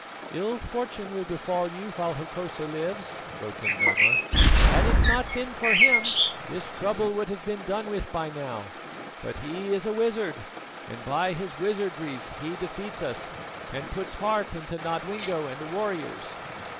"Ill fortune will befall you while Hokosa lives," broke in Noma. "Had it not been for him, this trouble would have been done with by now; but he is a wizard, and by his wizardries he defeats us and puts heart into Nodwengo and the warriors.